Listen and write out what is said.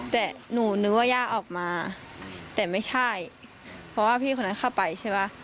แต่หนูนึกว่าย่าออกมาแต่ไม่ใช่เพราะว่าพี่คนนั้นเข้าไปใช่ป่ะ